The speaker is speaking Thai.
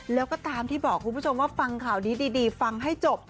แล้วก็ตามที่บอกคุณผู้ชมว่าฟังข่าวนี้ดีฟังให้จบ